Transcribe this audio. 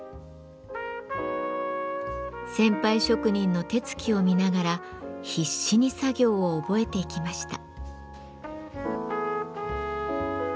先輩職人の手つきを見ながら必死に作業を覚えていきました。